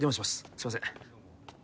すいません